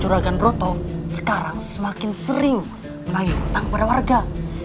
cura kan broto sekarang semakin sering menaik hutang pada warga